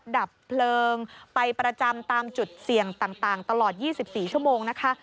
ดับเพลิงไปประจำตามจุดเสี่ยงต่างตลอด๒๔ชั่วโมงนะคะ